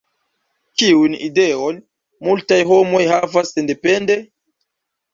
Kiujn ideojn multaj homoj havas sendepende?